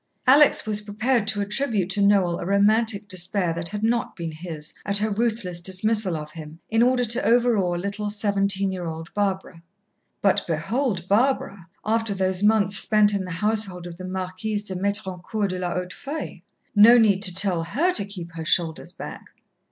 Alex was prepared to attribute to Noel a romantic despair that had not been his, at her ruthless dismissal of him, in order to overawe little, seventeen year old Barbara. But behold Barbara, after those months spent in the household of the Marquise de Métrancourt de la Hautefeuille! No need to tell her to keep her shoulders back.